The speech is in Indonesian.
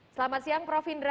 selamat siang prof hindra